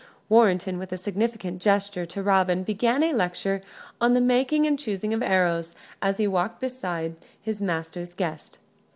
Warrenton, with significant gesture to Robin, began a lecture on the making and choosing of arrows, as he walked beside his master's guest.